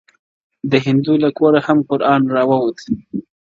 د هندو له کوره هم قران را ووت ,